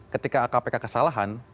ketika kpk kesalahan